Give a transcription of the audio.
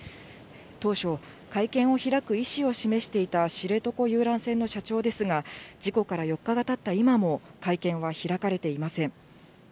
当初、会見を開く意思を示していた知床遊覧船の社長ですが、事故から４日がたった今も、会見は開かれていません。